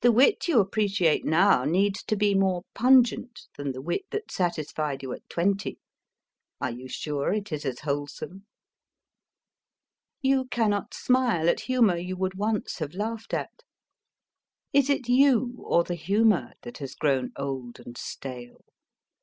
The wit you appreciate now needs to be more pungent than the wit that satisfied you at twenty ; are you sure it is as wholesome ? You cannot smile at humour you would once have laughed at ; is it you or the JEROME K. JEROME 229 humour that has grown old and stale